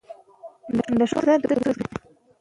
د ښوونځي برخه باید ښه لوستونکي ولري.